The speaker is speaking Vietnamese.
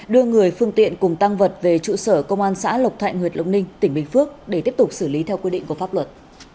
đưa người phương tiện cùng tăng vật về trụ sở công an xã lộc thạnh huyện lộc ninh tỉnh bình phước để tiếp tục xử lý theo quy định của pháp luật